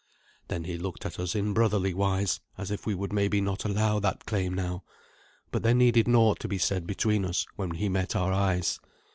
Then he looked at us in brotherly wise, as if we would maybe not allow that claim now; but there needed naught to be said between us when he met our eyes.